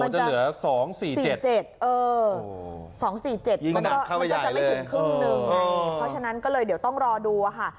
จะเหลือ๒๔๗๒๔๗มันก็จะไม่ถึงครึ่งหนึ่งไงเพราะฉะนั้นก็เลยเดี๋ยวต้องรอดูค่ะ